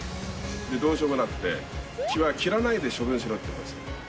どうしようもなくて、木は切らないで処分しろっていうんですよ。